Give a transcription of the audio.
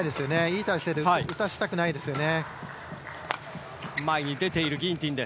いい体勢で打たせたくないですね。